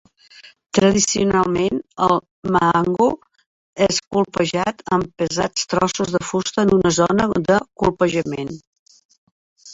Tradicionalment, el mahangu és colpejat amb pesats trossos de fusta en una "zona de colpejament".